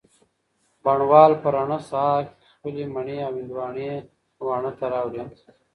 بڼ وال په رڼه سهار کي خپلې مڼې او هندواڼې واڼه ته راوړې